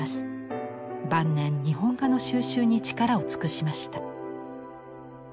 晩年日本画の収集に力を尽くしました。